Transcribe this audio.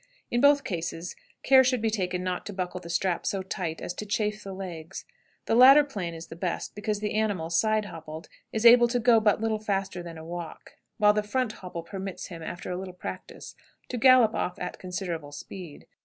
In both cases care should be taken not to buckle the strap so tight as to chafe the legs. The latter plan is the best, because the animal, side hoppled, is able to go but little faster than a walk, while the front hopple permits him, after a little practice, to gallop off at considerable speed.